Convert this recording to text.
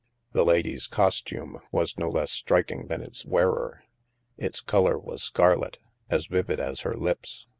The lady's costume was no less striking than its wearer; its color was scarlet, as vivid as her lips.